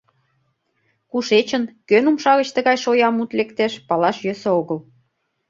Кушечын, кӧн умша гыч тыгай шоя мут лектеш палаш йӧсӧ огыл.